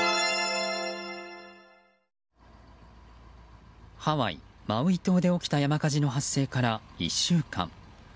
サントリー「金麦」ハワイ・マウイ島で起きた山火事の発生から１週間。